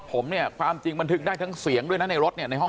ผมเนี่ยความจริงบันทึกได้ทั้งเสียงด้วยนะในรถเนี่ยในห้อง